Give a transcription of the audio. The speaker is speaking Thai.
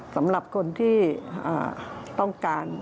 สำหรับคนที่ต้องการ